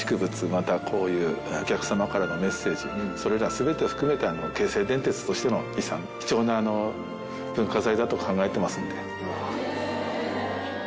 またこういうお客様からのメッセージそれら全てを含めて京成電鉄としての遺産貴重な文化財だと考えてますので。